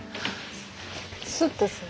スッとする。